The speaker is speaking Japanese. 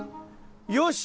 よし！